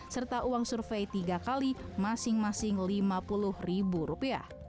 serta uang survei tiga kali masing masing rp lima puluh